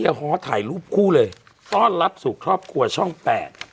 ฮ้อถ่ายรูปคู่เลยต้อนรับสู่ครอบครัวช่องแปด